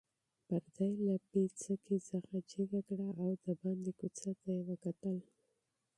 پرده یې له پیڅکې څخه جګه کړه او د باندې کوڅې ته یې وکتل.